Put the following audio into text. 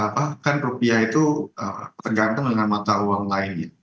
bahkan rupiah itu tergantung dengan mata uang lainnya